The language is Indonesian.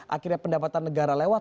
akhirnya pendapatan negara lewat